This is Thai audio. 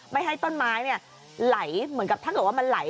ไม่ให้ต้นไม้ไหลเหมือนกับถ้าเกิดว่ามันไหล